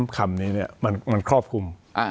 ๓คำนี้เนี่ยมันครอบคุม